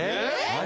何？